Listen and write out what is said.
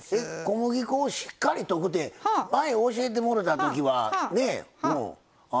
小麦粉をしっかり溶くて前教えてもろうた時はね